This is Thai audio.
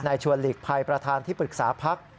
ชวนหลีกภัยประธานที่ปรึกษาพัก